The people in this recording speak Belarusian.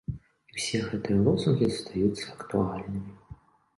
І ўсе гэтыя лозунгі застаюцца актуальнымі!